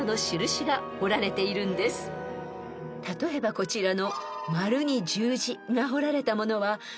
［例えばこちらの］